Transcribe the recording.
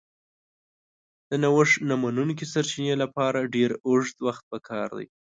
د نوښت نه منونکي سرچینې لپاره ډېر اوږد وخت پکار دی.